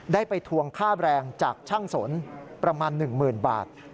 ได้ไปทวงค่าแบรนด์จากช่างสนประมาณ๑๐๐๐บาท